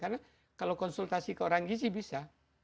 karena kalau konsultasi ke orang gini sih bisa